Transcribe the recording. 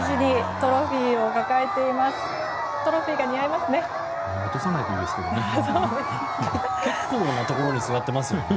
トロフィーが似合いますね。